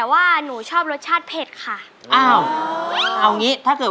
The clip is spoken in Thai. เอาสูตำให้เหรอ